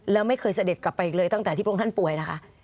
แล้วไม่เคยเสด็จกลับไปอีกเลยตั้งแต่ที่พระองค์ท่านป่วยนะคะ